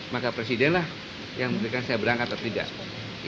maka presiden lah yang memberikan saya berangkat atau tidak